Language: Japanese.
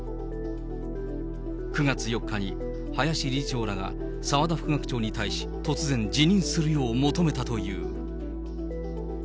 ９月４日に林理事長らが澤田副学長に対し、突然、辞任するよう求めたという。